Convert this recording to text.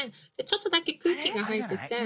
ちょっとだけ空気が入ってて。